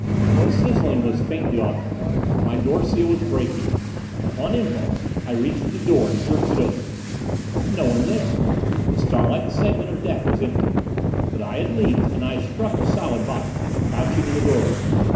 The sizzling was faintly audible. My door seal was breaking. Upon impulse I reached for the door, jerked it open. No one there! The starlit segment of deck was empty. But I had leaped, and I struck a solid body, crouching in the doorway.